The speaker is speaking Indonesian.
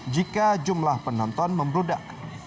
jika jumlah penonton membrudak